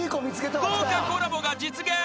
［豪華コラボが実現。